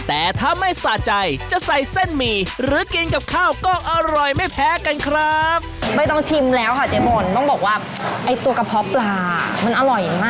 ไอ้ตัวกระเพาะปลามันอร่อยมากเลย